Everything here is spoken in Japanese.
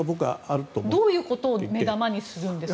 どういうことを目玉にするんですか？